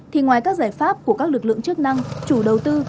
thì ngoài các giải pháp của các lực lượng chức năng chủ đầu tư